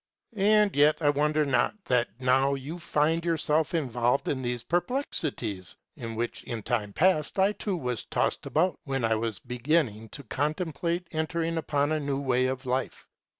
And yet I wonder not that now you find yourself involved in these perplexities; in which in time past I too was tossed about, when I was beginning to contemplate entering upon a new way of life.